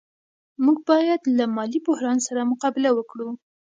موږ باید له مالي بحران سره مقابله وکړو.